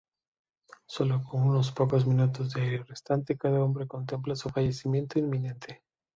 Sólo con unos pocos minutos de aire restante, cada hombre contempla su fallecimiento inminente.